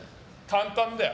簡単だよ。